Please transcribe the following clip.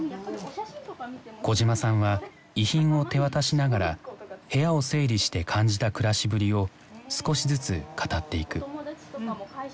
小島さんは遺品を手渡しながら部屋を整理して感じた暮らしぶりを少しずつ語っていく。